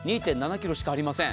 ２．７ｋｇしかありません。